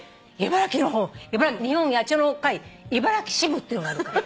日本野鳥の会茨城支部っていうのがあるから。